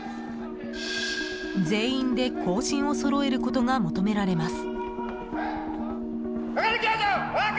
全員で行進をそろえることが求められます。